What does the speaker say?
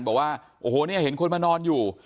บอกว่าโอ้โหเนี่ยเห็นคนมานอนอยู่